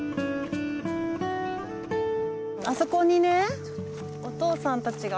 あそこにねお父さんたちが。